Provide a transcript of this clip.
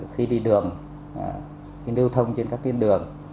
khi đi đường khi lưu thông trên các tuyến đường